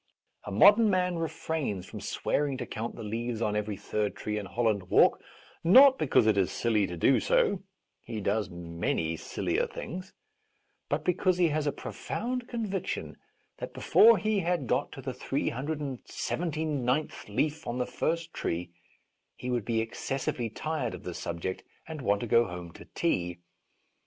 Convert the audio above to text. A modern man refrains from swearing to count the leaves on every third tree in Holland Walk, not because it is silly to do so (he does many sillier things), but because he has a profound conviction that before he had got to the three hundred and seventy ninth leaf on the first tree he would be excessively tired of the subject and want to go home to tea.